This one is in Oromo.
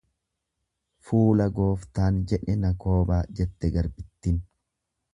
Fuula gooftaan jedhe na koobaa jette garbittin.